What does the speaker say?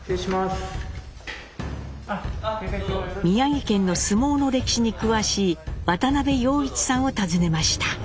宮城県の相撲の歴史に詳しい渡辺洋一さんを訪ねました。